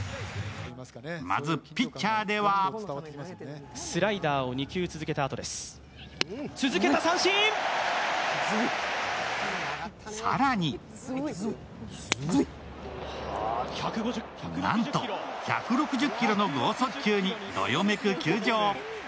まずピッチャーでは更になんと、１６０キロの剛速球にどよめく球場。